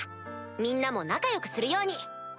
みんなも仲良くするように。